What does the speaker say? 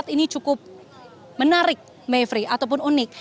ini cukup menarik mevri ataupun unik